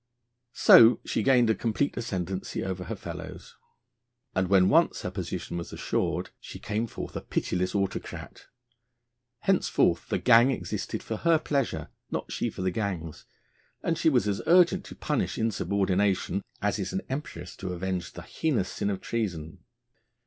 So she gained a complete ascendency over her fellows. And when once her position was assured, she came forth a pitiless autocrat. Henceforth the gang existed for her pleasure, not she for the gang's; and she was as urgent to punish insubordination as is an empress to avenge the heinous sin of treason.